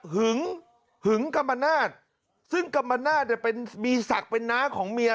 หึงกัมมานาดซึ่งกัมมานาดแต่เป็นมีศักดิ์เป็นน้าของเมีย